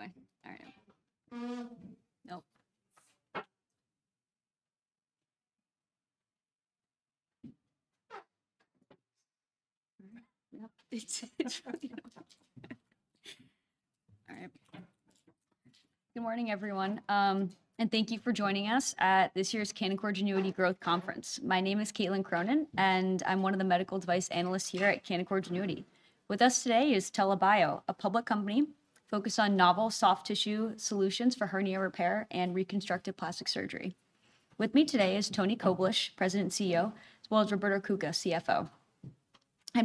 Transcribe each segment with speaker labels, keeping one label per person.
Speaker 1: Good morning, everyone, and thank you for joining us at this year's Canaccord Genuity Growth Conference. My name is Caitlin Cronin, and I'm one of the medical device analysts here at Canaccord Genuity. With us today is TELA Bio, a public company focused on novel soft tissue solutions for hernia repair and reconstructive plastic surgery. With me today is Tony Koblish, President and CEO, as well as Roberto Cuca, CFO.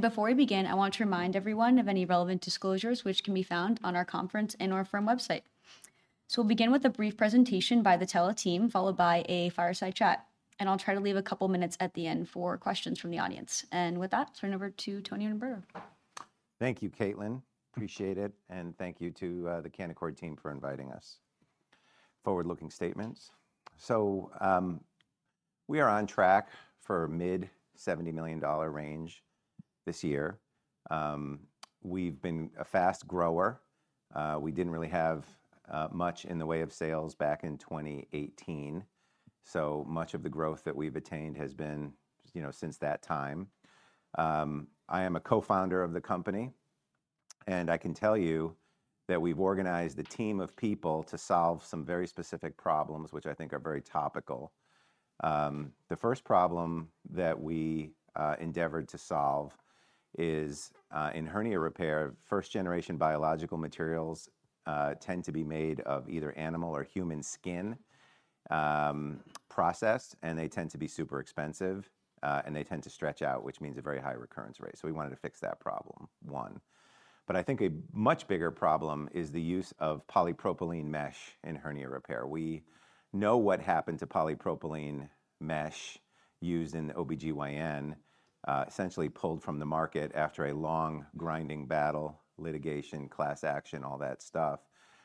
Speaker 1: Before we begin, I want to remind everyone of any relevant disclosures which can be found on our conference and/or firm website. So we'll begin with a brief presentation by the TELA team, followed by a fireside chat, and I'll try to leave a couple minutes at the end for questions from the audience. With that, turn it over to Tony and Roberto.
Speaker 2: Thank you, Caitlin. Appreciate it, and thank you to the Canaccord team for inviting us. Forward-looking statements. So, we are on track for a mid-$70 million range this year. We've been a fast grower. We didn't really have much in the way of sales back in 2018, so much of the growth that we've attained has been, you know, since that time. I am a co-founder of the company, and I can tell you that we've organized a team of people to solve some very specific problems, which I think are very topical. The first problem that we endeavored to solve is in hernia repair, first-generation biological materials tend to be made of either animal or human skin, processed, and they tend to be super expensive, and they tend to stretch out, which means a very high recurrence rate. So we wanted to fix that problem, one. But I think a much bigger problem is the use of polypropylene mesh in hernia repair. We know what happened to polypropylene mesh used in the OBGYN, essentially pulled from the market after a long, grinding battle, litigation, class action, all that stuff.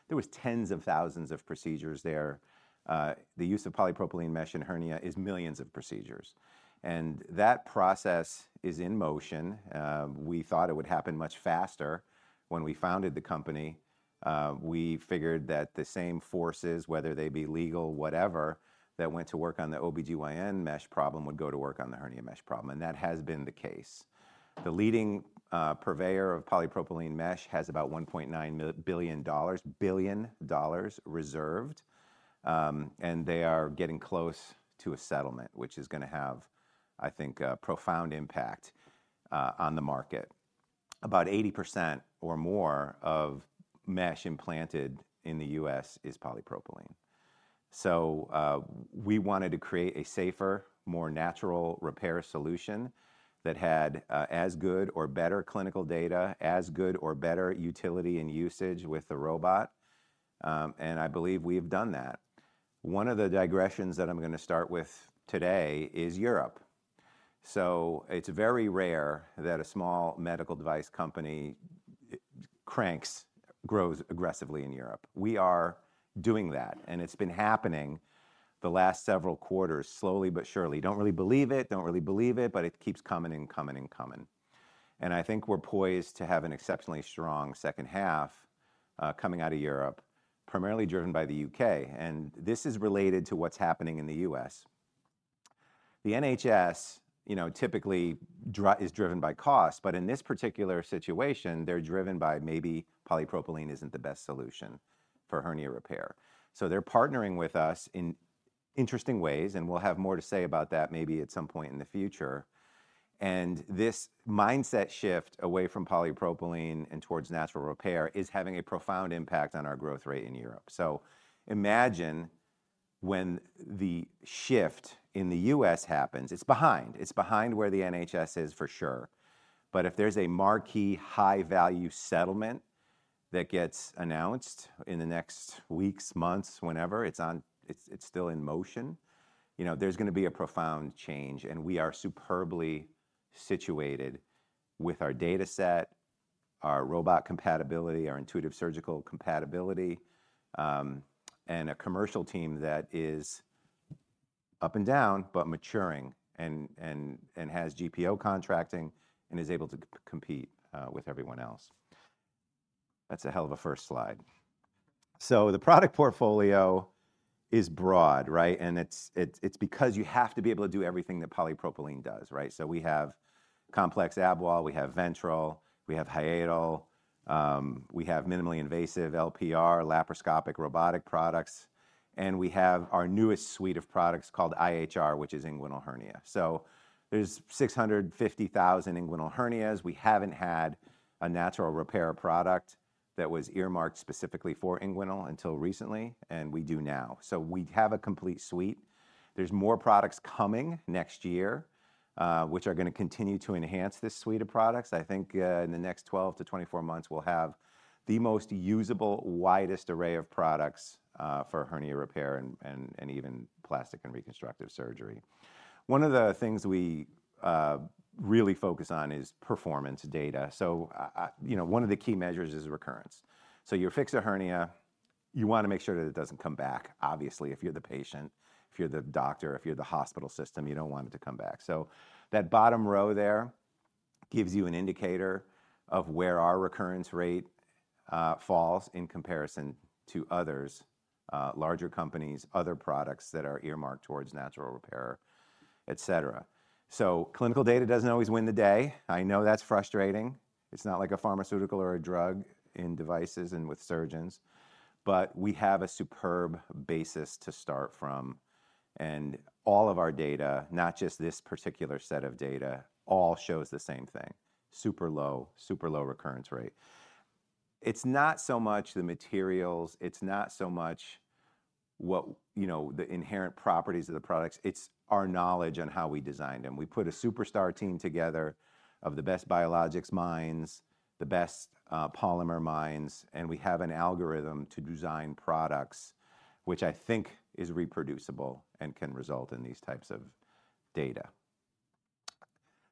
Speaker 2: There was tens of thousands of procedures there. The use of polypropylene mesh in hernia is millions of procedures, and that process is in motion. We thought it would happen much faster when we founded the company. We figured that the same forces, whether they be legal, whatever, that went to work on the OBGYN mesh problem, would go to work on the hernia mesh problem, and that has been the case. The leading purveyor of polypropylene mesh has about $1.9 billion reserved, and they are getting close to a settlement, which is gonna have, I think, a profound impact on the market. About 80% or more of mesh implanted in the U.S. is polypropylene. So, we wanted to create a safer, more natural repair solution that had as good or better clinical data, as good or better utility and usage with the robot, and I believe we've done that. One of the digressions that I'm gonna start with today is Europe. So it's very rare that a small medical device company cranks, grows aggressively in Europe. We are doing that, and it's been happening the last several quarters, slowly but surely. Don't really believe it, don't really believe it, but it keeps coming and coming and coming. And I think we're poised to have an exceptionally strong second half, coming out of Europe, primarily driven by the U.K., and this is related to what's happening in the U.S. The NHS, you know, typically is driven by cost, but in this particular situation, they're driven by maybe polypropylene isn't the best solution for hernia repair. So they're partnering with us in interesting ways, and we'll have more to say about that maybe at some point in the future. And this mindset shift away from polypropylene and towards natural repair is having a profound impact on our growth rate in Europe. So imagine when the shift in the U.S. happens. It's behind, it's behind where the NHS is, for sure. But if there's a marquee high-value settlement that gets announced in the next weeks, months, whenever, it's still in motion, you know, there's gonna be a profound change, and we are superbly situated with our data set, our robot compatibility, our Intuitive Surgical compatibility, and a commercial team that is up and down, but maturing and has GPO contracting and is able to compete with everyone else. That's a hell of a first slide. So the product portfolio is broad, right? And it's because you have to be able to do everything that polypropylene does, right? So we have complex ab wall, we have ventral, we have hiatal, we have minimally invasive LPR, laparoscopic robotic products, and we have our newest suite of products called IHR, which is inguinal hernia. So there's 650,000 inguinal hernias. We haven't had a natural repair product that was earmarked specifically for inguinal until recently, and we do now. So we have a complete suite. There's more products coming next year, which are gonna continue to enhance this suite of products. I think in the next 12-24 months, we'll have the most usable, widest array of products for hernia repair and even plastic and reconstructive surgery. One of the things we really focus on is performance data. So you know, one of the key measures is recurrence. So you fix a hernia, you wanna make sure that it doesn't come back. Obviously, if you're the patient, if you're the doctor, if you're the hospital system, you don't want it to come back. So that bottom row there gives you an indicator of where our recurrence rate falls in comparison to others, larger companies, other products that are earmarked toward natural repair, etc. So clinical data doesn't always win the day. I know that's frustrating. It's not like a pharmaceutical or a drug in devices and with surgeons, but we have a superb basis to start from. And all of our data, not just this particular set of data, all shows the same thing: super low, super low recurrence rate. It's not so much the materials, it's not so much what, you know, the inherent properties of the products, it's our knowledge on how we designed them. We put a superstar team together of the best biologics minds, the best polymer minds, and we have an algorithm to design products, which I think is reproducible and can result in these types of data.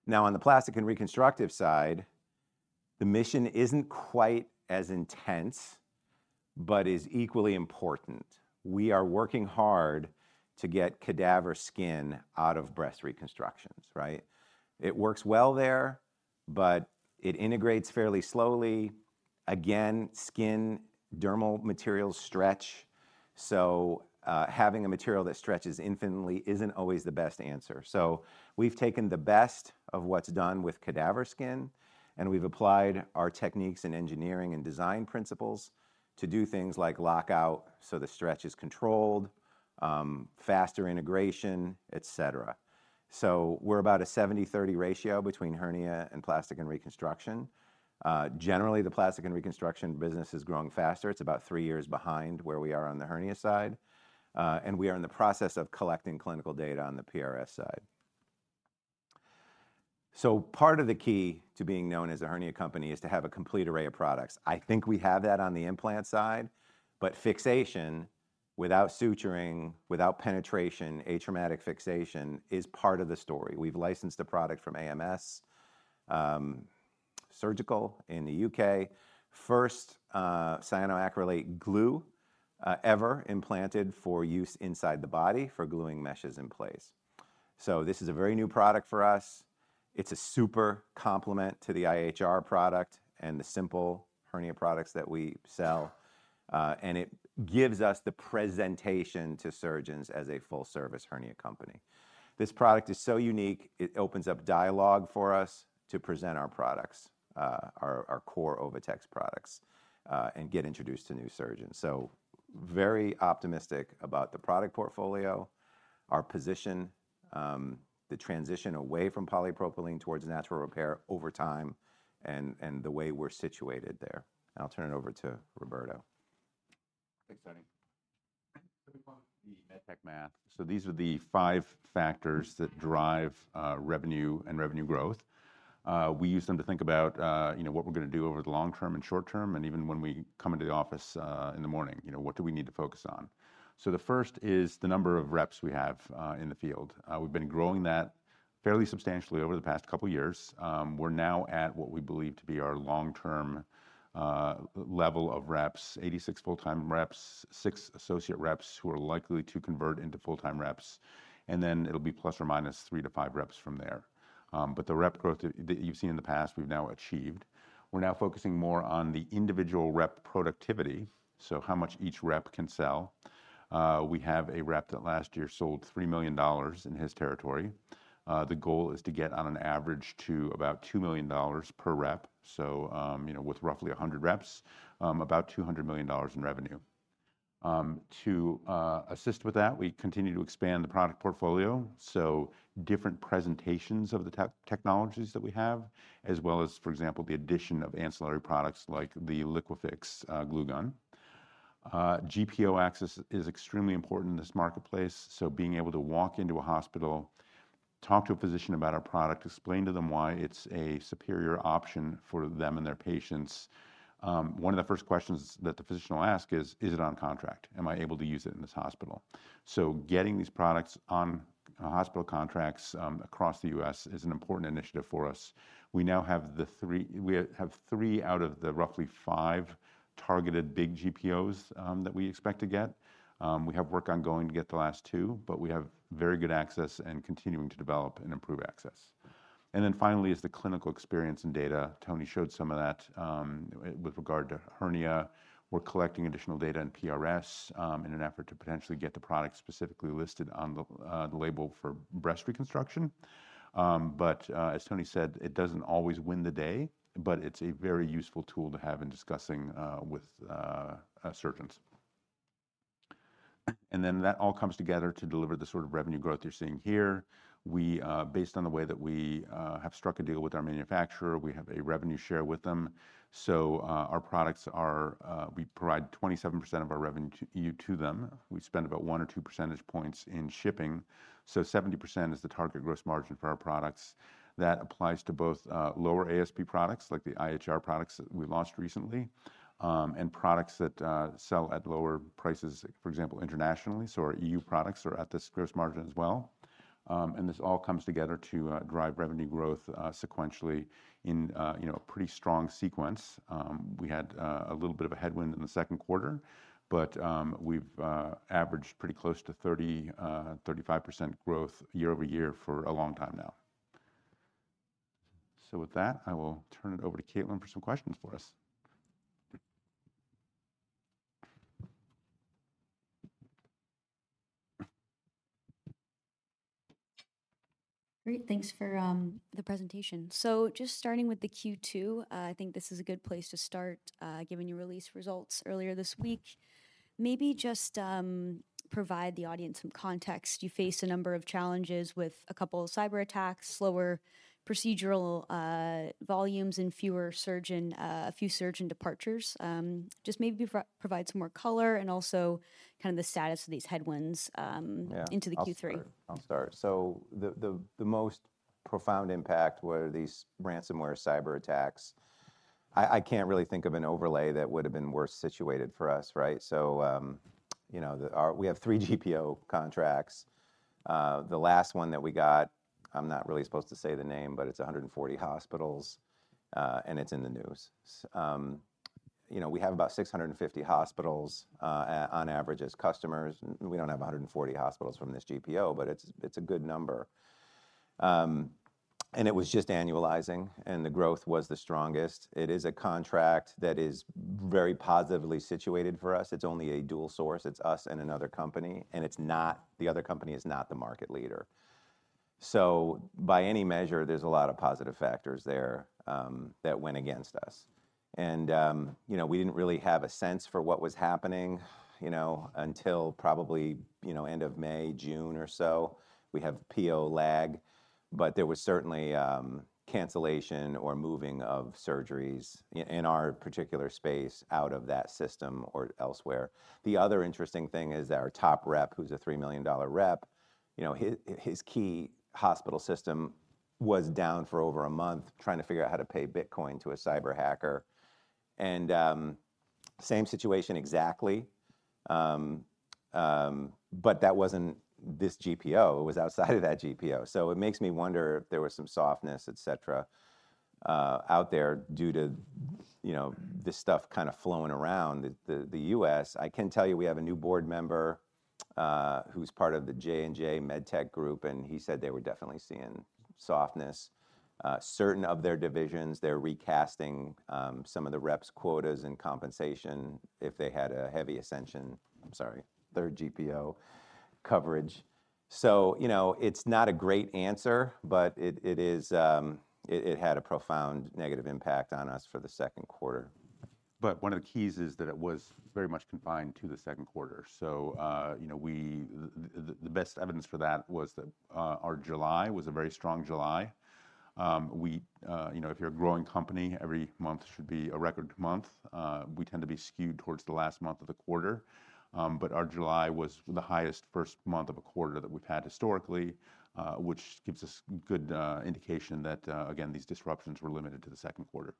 Speaker 2: Now, on the plastic and reconstructive side, the mission isn't quite as intense, but is equally important. We are working hard to get cadaver skin out of breast reconstructions, right? It works well there, but it integrates fairly slowly. Again, skin dermal materials stretch, so having a material that stretches infinitely isn't always the best answer. So we've taken the best of what's done with cadaver skin, and we've applied our techniques in engineering and design principles to do things like lockout, so the stretch is controlled, faster integration, etc. So we're about a 70/30 ratio between hernia and plastic and reconstruction. Generally, the plastic and reconstruction business is growing faster. It's about three years behind where we are on the hernia side, and we are in the process of collecting clinical data on the PRS side. So part of the key to being known as a hernia company is to have a complete array of products. I think we have that on the implant side, but fixation without suturing, without penetration, atraumatic fixation is part of the story. We've licensed a product from AMS Surgical in the U.K. First, cyanoacrylate glue ever implanted for use inside the body for gluing meshes in place. So this is a very new product for us. It's a super complement to the IHR product and the simple hernia products that we sell. And it gives us the presentation to surgeons as a full-service hernia company. This product is so unique, it opens up dialogue for us to present our products, our core OviTex products, and get introduced to new surgeons. So very optimistic about the product portfolio, our position, the transition away from polypropylene towards natural repair over time and the way we're situated there. I'll turn it over to Roberto.
Speaker 3: Thanks, Tony. The med tech math. These are the 5 factors that drive revenue and revenue growth. We use them to think about, you know, what we're gonna do over the long term and short term, and even when we come into the office, in the morning, you know, what do we need to focus on? So the first is the number of reps we have in the field. We've been growing that fairly substantially over the past couple of years. We're now at what we believe to be our long-term level of reps, 86 full-time reps, 6 associate reps who are likely to convert into full-time reps, and then it'll be ±3-5 reps from there. But the rep growth that you've seen in the past, we've now achieved. We're now focusing more on the individual rep productivity, so how much each rep can sell. We have a rep that last year sold $3 million in his territory. The goal is to get on an average to about $2 million per rep. So, you know, with roughly 100 reps, about $200 million in revenue. To assist with that, we continue to expand the product portfolio, so different presentations of the technologies that we have, as well as, for example, the addition of ancillary products like the LiquiFix glue gun. GPO access is extremely important in this marketplace, so being able to walk into a hospital, talk to a physician about our product, explain to them why it's a superior option for them and their patients. One of the first questions that the physician will ask is: Is it on contract? Am I able to use it in this hospital? So getting these products on hospital contracts, across the U.S. is an important initiative for us. We now have three out of the roughly five targeted big GPOs that we expect to get. We have work ongoing to get the last two, but we have very good access and continuing to develop and improve access. And then finally, is the clinical experience and data. Tony showed some of that, with regard to hernia. We're collecting additional data in PRS, in an effort to potentially get the product specifically listed on the the label for breast reconstruction. But, as Tony said, it doesn't always win the day, but it's a very useful tool to have in discussing with surgeons. And then that all comes together to deliver the sort of revenue growth you're seeing here. We, based on the way that we have struck a deal with our manufacturer, we have a revenue share with them. So, our products are, we provide 27% of our revenue to them. We spend about 1 or 2 percentage points in shipping, so 70% is the target gross margin for our products. That applies to both, lower ASP products, like the IHR products that we launched recently, and products that sell at lower prices, for example, internationally. So our EU products are at this gross margin as well. And this all comes together to drive revenue growth sequentially in, you know, a pretty strong sequence. We had a little bit of a headwind in the second quarter, but we've averaged pretty close to 30-35% growth year-over-year for a long time now. So with that, I will turn it over to Caitlin for some questions for us.
Speaker 1: Great, thanks for the presentation. So just starting with the Q2, I think this is a good place to start, given you released results earlier this week. Maybe just provide the audience some context. You faced a number of challenges with a couple of cyberattacks, slower procedural volumes, and a few surgeon departures. Just maybe provide some more color and also kind of the status of these headwinds.
Speaker 2: Yeah
Speaker 1: into the Q3.
Speaker 2: I'll start. I'll start. So the most profound impact were these ransomware cyberattacks. I can't really think of an overlay that would've been worse situated for us, right? So, you know, our... We have three GPO contracts. The last one that we got, I'm not really supposed to say the name, but it's 140 hospitals, and it's in the news. You know, we have about 650 hospitals, on average, as customers. We don't have 140 hospitals from this GPO, but it's a good number. And it was just annualizing, and the growth was the strongest. It is a contract that is very positively situated for us. It's only a dual source. It's us and another company, and it's not the other company is not the market leader. So by any measure, there's a lot of positive factors there, that went against us. You know, we didn't really have a sense for what was happening, you know, until probably, you know, end of May, June, or so. We have PO lag, but there was certainly, cancellation or moving of surgeries in our particular space out of that system or elsewhere. The other interesting thing is that our top rep, who's a $3 million rep, you know, his key hospital system was down for over a month, trying to figure out how to pay Bitcoin to a cyber hacker. And, same situation exactly. But that wasn't this GPO. It was outside of that GPO. So it makes me wonder if there was some softness, et cetera, out there due to, you know, this stuff kind of flowing around the U.S. I can tell you, we have a new board member, who's part of the J&J MedTech group, and he said they were definitely seeing softness. Certain of their divisions, they're recasting some of the reps' quotas and compensation if they had a heavy Ascension... I'm sorry, third GPO coverage. So, you know, it's not a great answer, but it had a profound negative impact on us for the second quarter.
Speaker 3: But one of the keys is that it was very much confined to the second quarter. So, you know, the best evidence for that was that, our July was a very strong July. We, you know, if you're a growing company, every month should be a record month. We tend to be skewed towards the last month of the quarter. But our July was the highest first month of a quarter that we've had historically, which gives us good indication that, again, these disruptions were limited to the second quarter.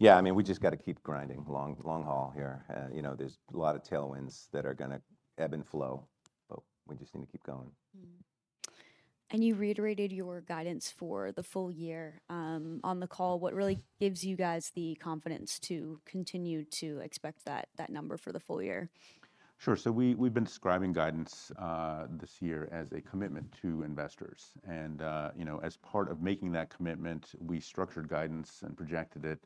Speaker 2: Yeah, I mean, we just gotta keep grinding. Long, long haul here. You know, there's a lot of tailwinds that are gonna ebb and flow, but we just need to keep going.
Speaker 1: Mm-hmm. You reiterated your guidance for the full year, on the call. What really gives you guys the confidence to continue to expect that, that number for the full year?
Speaker 3: Sure. So we've been describing guidance this year as a commitment to investors. And you know, as part of making that commitment, we structured guidance and projected it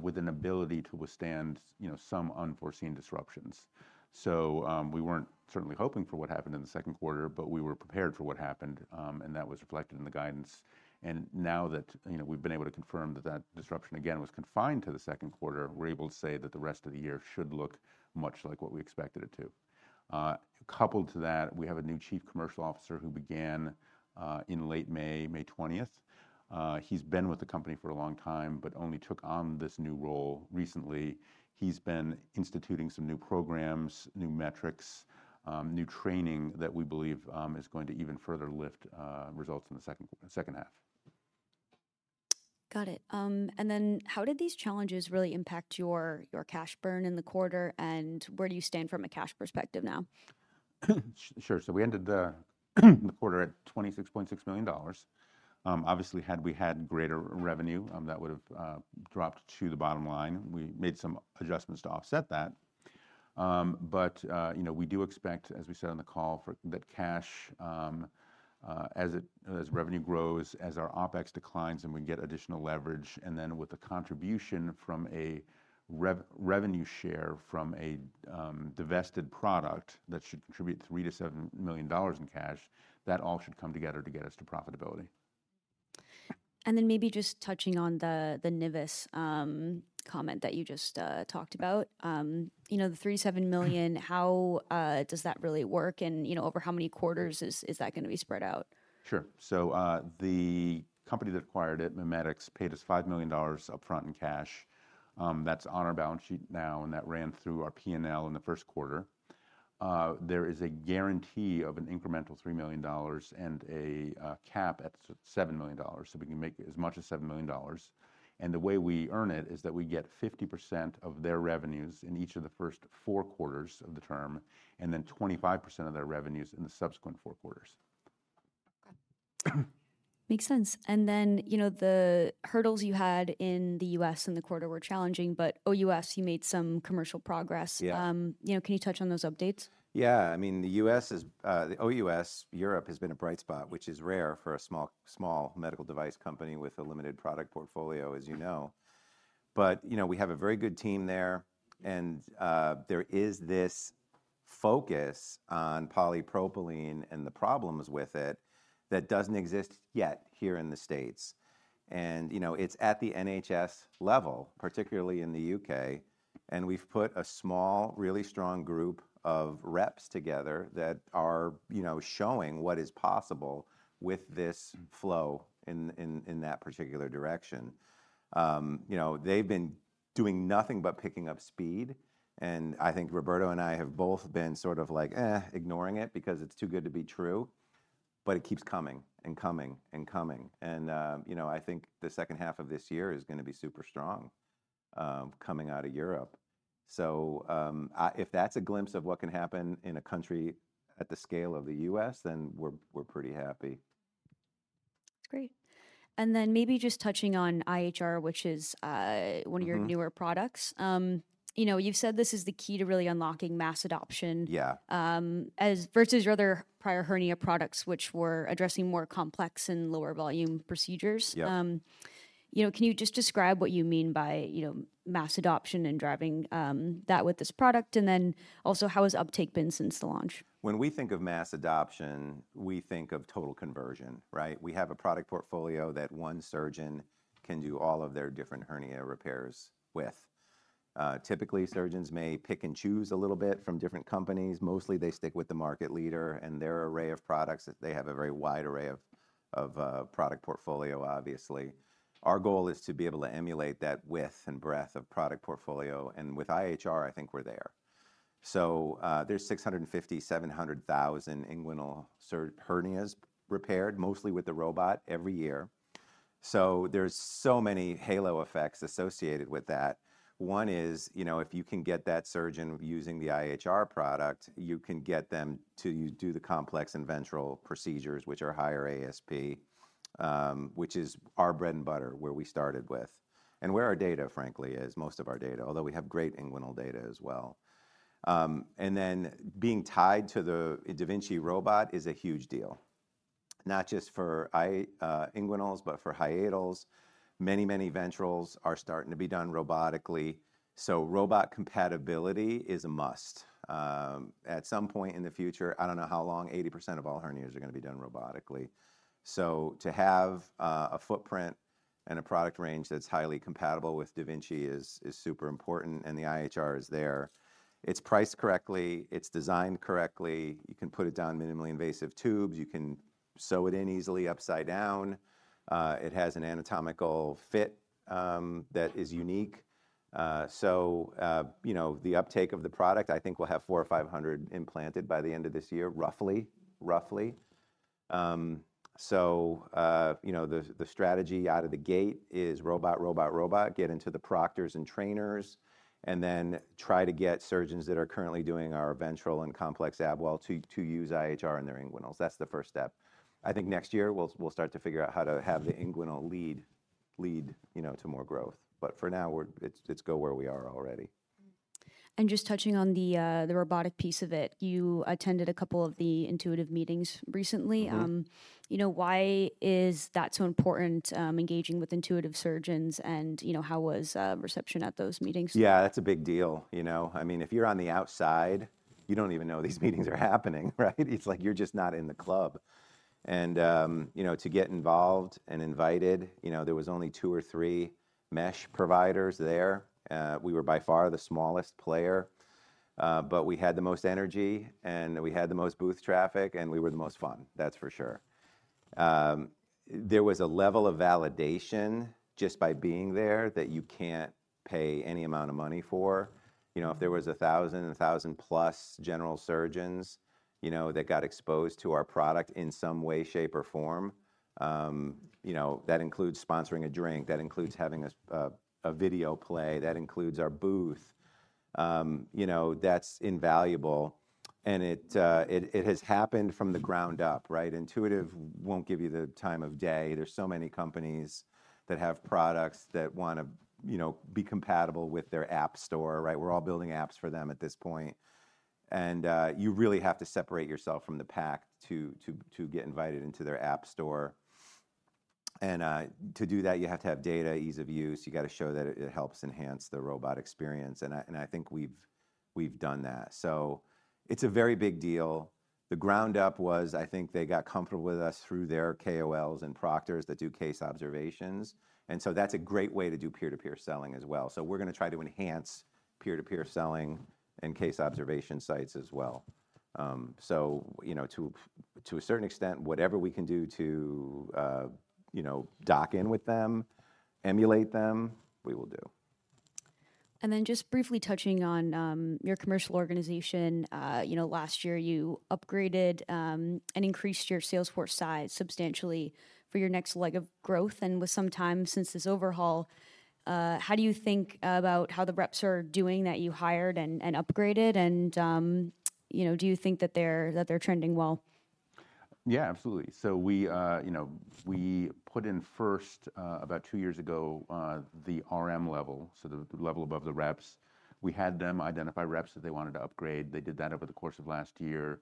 Speaker 3: with an ability to withstand you know, some unforeseen disruptions. So we weren't certainly hoping for what happened in the second quarter, but we were prepared for what happened, and that was reflected in the guidance. And now that you know, we've been able to confirm that that disruption, again, was confined to the second quarter, we're able to say that the rest of the year should look much like what we expected it to. Coupled to that, we have a new Chief Commercial Officer who began in late May, May 20th. He's been with the company for a long time, but only took on this new role recently. He's been instituting some new programs, new metrics, new training that we believe is going to even further lift results in the second half.
Speaker 1: Got it. And then how did these challenges really impact your, your cash burn in the quarter, and where do you stand from a cash perspective now?
Speaker 3: Sure. So we ended the quarter at $26.6 million. Obviously, had we had greater revenue, that would've dropped to the bottom line. We made some adjustments to offset that. But you know, we do expect, as we said on the call, for that cash, as revenue grows, as our OpEx declines, and we get additional leverage, and then with the contribution from a revenue share from a divested product, that should contribute $3 million-$7 million in cash, that all should come together to get us to profitability.
Speaker 1: And then maybe just touching on the NIVIS comment that you just talked about. You know, the $37 million, how does that really work, and you know, over how many quarters is that gonna be spread out?
Speaker 3: Sure. So, the company that acquired it, MiMedx, paid us $5 million upfront in cash. That's on our balance sheet now, and that ran through our P&L in the first quarter. There is a guarantee of an incremental $3 million and a cap at $7 million, so we can make as much as $7 million. And the way we earn it is that we get 50% of their revenues in each of the first four quarters of the term and then 25% of their revenues in the subsequent four quarters.
Speaker 1: Okay. Makes sense. Then, you know, the hurdles you had in the U.S. in the quarter were challenging, but OUS, you made some commercial progress.
Speaker 2: Yeah.
Speaker 1: You know, can you touch on those updates?
Speaker 2: Yeah. I mean, the U.S. is, the OUS, Europe, has been a bright spot, which is rare for a small, small medical device company with a limited product portfolio, as you know. But, you know, we have a very good team there, and, there is this focus on polypropylene and the problems with it, that doesn't exist yet here in the States. And, you know, it's at the NHS level, particularly in the U.K., and we've put a small, really strong group of reps together that are, you know, showing what is possible with this flow in that particular direction. You know, they've been doing nothing but picking up speed, and I think Roberto and I have both been sort of like, eh, ignoring it, because it's too good to be true, but it keeps coming and coming and coming. You know, I think the second half of this year is gonna be super strong, coming out of Europe. So, if that's a glimpse of what can happen in a country at the scale of the U.S., then we're pretty happy.
Speaker 1: That's great. And then maybe just touching on IHR, which is,
Speaker 2: Mm-hmm...
Speaker 1: one of your newer products. You know, you've said this is the key to really unlocking mass adoption-
Speaker 2: Yeah...
Speaker 1: as versus your other prior hernia products, which were addressing more complex and lower volume procedures.
Speaker 2: Yeah.
Speaker 1: You know, can you just describe what you mean by, you know, mass adoption and driving that with this product, and then also, how has uptake been since the launch?
Speaker 2: When we think of mass adoption, we think of total conversion, right? We have a product portfolio that one surgeon can do all of their different hernia repairs with. Typically, surgeons may pick and choose a little bit from different companies. Mostly, they stick with the market leader and their array of products. They have a very wide array of product portfolio, obviously. Our goal is to be able to emulate that width and breadth of product portfolio, and with IHR, I think we're there. So, there's 650,000-700,000 inguinal hernias repaired, mostly with the robot, every year. So there's so many halo effects associated with that. One is, you know, if you can get that surgeon using the IHR product, you can get them to do the complex and ventral procedures, which are higher ASP, which is our bread and butter, where we started with, and where our data, frankly, is, most of our data, although we have great inguinal data as well. And then being tied to the da Vinci robot is a huge deal, not just for inguinals, but for hiatal. Many, many ventrals are starting to be done robotically, so robot compatibility is a must. At some point in the future, I don't know how long, 80% of all hernias are gonna be done robotically. So to have a footprint and a product range that's highly compatible with da Vinci is super important, and the IHR is there. It's priced correctly. It's designed correctly. You can put it down minimally invasive tubes. You can sew it in easily upside down. It has an anatomical fit that is unique. So, you know, the uptake of the product, I think we'll have 400 or 500 implanted by the end of this year, roughly, roughly. So, you know, the strategy out of the gate is robot, robot, robot, get into the proctors and trainers, and then try to get surgeons that are currently doing our ventral and complex ab wall to use IHR in their inguinals. That's the first step. I think next year, we'll start to figure out how to have the inguinal lead, you know, to more growth. But for now, it's go where we are already.
Speaker 1: Just touching on the robotic piece of it, you attended a couple of the Intuitive meetings recently.
Speaker 2: Mm-hmm.
Speaker 1: You know, why is that so important, engaging with Intuitive surgeons and, you know, how was reception at those meetings?
Speaker 2: Yeah, that's a big deal, you know? I mean, if you're on the outside, you don't even know these meetings are happening, right? It's like you're just not in the club. You know, to get involved and invited, you know, there was only two or three mesh providers there. We were by far the smallest player, but we had the most energy, and we had the most booth traffic, and we were the most fun, that's for sure. There was a level of validation just by being there that you can't pay any amount of money for. You know, if there was 1,000, and 1,000+ general surgeons, you know, that got exposed to our product in some way, shape, or form, that includes sponsoring a drink, that includes having a video play, that includes our booth, you know, that's invaluable, and it has happened from the ground up, right? Intuitive won't give you the time of day. There's so many companies that have products that wanna, you know, be compatible with their app store, right? We're all building apps for them at this point, and you really have to separate yourself from the pack to get invited into their app store. To do that, you have to have data, ease of use. You gotta show that it helps enhance the robot experience, and I think we've done that. So it's a very big deal. The ground up was, I think they got comfortable with us through their KOLs and proctors that do case observations, and so that's a great way to do peer-to-peer selling as well. So we're gonna try to enhance peer-to-peer selling and case observation sites as well. So, you know, to a certain extent, whatever we can do to, you know, dock in with them, emulate them, we will do.
Speaker 1: Then just briefly touching on your commercial organization, you know, last year you upgraded and increased your sales force size substantially for your next leg of growth and with some time since this overhaul, how do you think about how the reps are doing that you hired and upgraded and, you know, do you think that they're trending well?...
Speaker 2: Yeah, absolutely. So we, you know, we put in first, about two years ago, the RM level, so the, the level above the reps. We had them identify reps that they wanted to upgrade. They did that over the course of last year.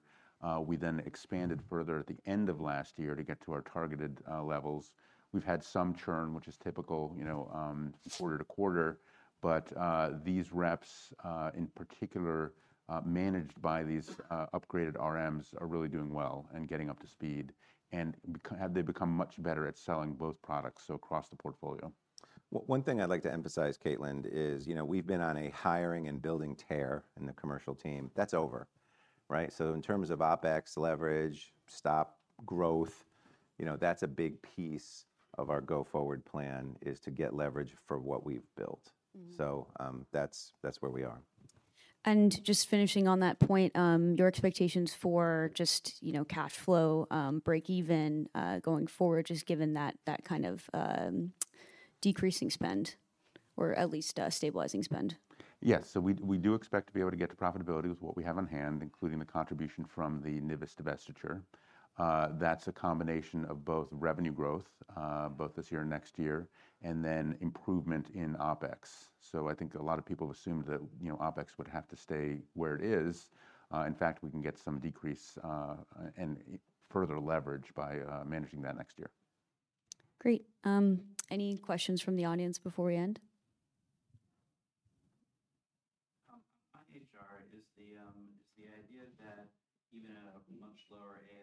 Speaker 2: We then expanded further at the end of last year to get to our targeted levels. We've had some churn, which is typical, you know, quarter to quarter. But, these reps, in particular, managed by these, upgraded RMs, are really doing well and getting up to speed, and they become much better at selling both products, so across the portfolio. One thing I'd like to emphasize, Caitlin, is, you know, we've been on a hiring and building tear in the commercial team. That's over, right? So in terms of OpEx leverage, topline growth, you know, that's a big piece of our go-forward plan, is to get leverage for what we've built.
Speaker 1: Mm-hmm.
Speaker 2: That's where we are.
Speaker 1: Just finishing on that point, your expectations for just, you know, cash flow, breakeven, going forward, just given that kind of decreasing spend, or at least stabilizing spend?
Speaker 2: Yes. So we do expect to be able to get to profitability with what we have on hand, including the contribution from the NIVIS divestiture. That's a combination of both revenue growth, both this year and next year, and then improvement in OpEx. So I think a lot of people assumed that, you know, OpEx would have to stay where it is. In fact, we can get some decrease, and further leverage by managing that next year.
Speaker 1: Great. Any questions from the audience before we end?
Speaker 4: On IHR, is the idea that even at a much lower ASP, the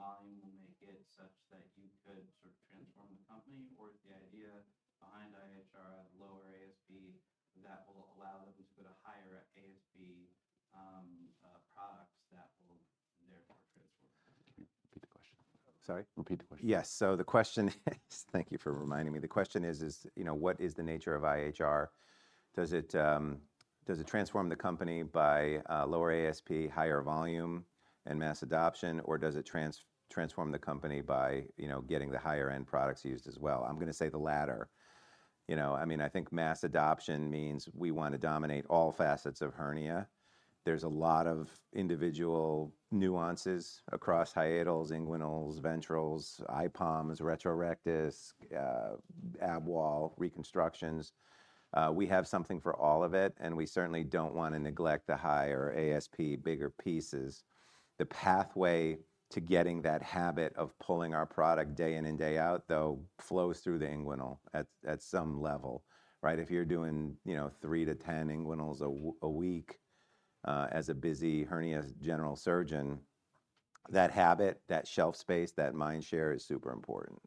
Speaker 4: volume will make it such that you could sort of transform the company? Or is the idea behind IHR a lower ASP that will allow them to go to higher ASP, products that will therefore transform the company?
Speaker 2: Can you repeat the question? Sorry? Repeat the question. Yes, so the question is thank you for reminding me. The question is, you know, what is the nature of IHR? Does it transform the company by lower ASP, higher volume, and mass adoption, or does it transform the company by, you know, getting the higher end products used as well? I'm gonna say the latter. You know, I mean, I think mass adoption means we wanna dominate all facets of hernia. There's a lot of individual nuances across hiatal, inguinal, ventral, IPOMs, retrorectus, ab wall reconstructions. We have something for all of it, and we certainly don't wanna neglect the higher ASP, bigger pieces. The pathway to getting that habit of pulling our product day in and day out, though, flows through the inguinal at some level, right? If you're doing, you know, 3-10 inguinals a week, as a busy hernia general surgeon, that habit, that shelf space, that mind share is super important.